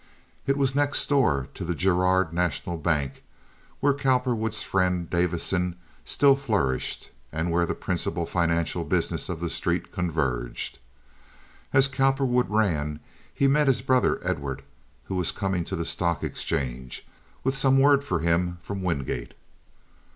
It was next door to the Girard National Bank, where Cowperwood's friend Davison still flourished, and where the principal financial business of the street converged. As Cowperwood ran he met his brother Edward, who was coming to the stock exchange with some word for him from Wingate.